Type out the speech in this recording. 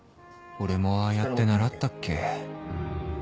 俺もああやって習ったっけ